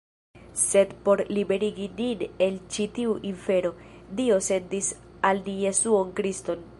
Sed por liberigi nin el ĉi tiu infero, Dio sendis al ni Jesuon Kriston.